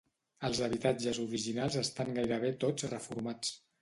Els habitatges originals estan gairebé tots reformats.